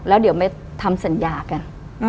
แล้วเดี๋ยวไม่ทำสัญญากัน